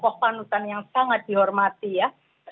poh panutan yang sangat dihormati ya